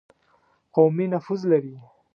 قومي نفوذ لري.